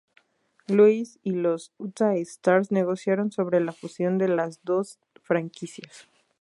Louis y los Utah Stars negociaron sobre la fusión de las dos franquicias.